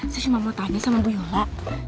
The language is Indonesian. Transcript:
saya cuma mau tanya sama bu yola